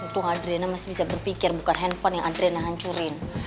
untung adriana masih bisa berpikir bukan handphone yang adriana hancurin